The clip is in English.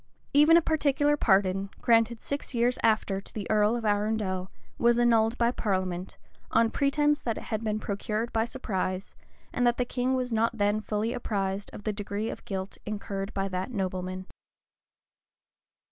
Even a particular pardon, granted six years after to the earl of Arundel, was annulled by parliament, on pretence that it had been procured by surprise, and that the king was not then fully apprized of the degree of guilt incurred by that nobleman.